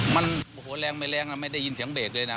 มันโอ้โหแรงไม่แรงนะไม่ได้ยินเสียงเบรกเลยนะ